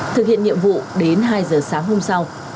thực hiện nhiệm vụ đến hai giờ sáng hôm sau